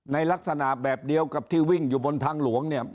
ลักษณะแบบเดียวกับที่วิ่งอยู่บนทางหลวงเนี่ย